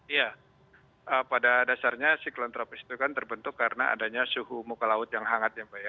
iya pada dasarnya siklon tropis itu kan terbentuk karena adanya suhu muka laut yang hangat ya mbak ya